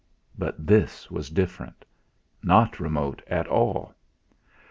But this was different, not remote at all.